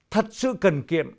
thật sự cần kiệm